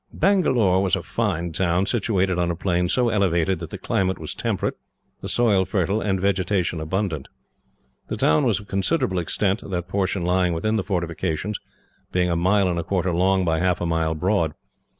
Bangalore was a fine town, situated on a plain so elevated that the climate was temperate, the soil fertile, and vegetation abundant. The town was of considerable extent, that portion lying within the fortifications being a mile and a quarter long, by half a mile broad.